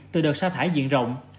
từ đợt xa thải diện rộng